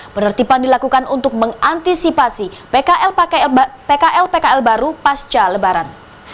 penertiban dilakukan untuk mengantisipasi pkl pkl baru pasca lebaran